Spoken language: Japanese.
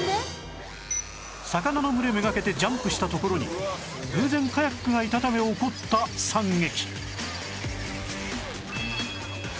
魚の群れ目がけてジャンプしたところに偶然カヤックがいたため起こった惨劇